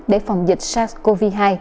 để phòng dịch sars cov hai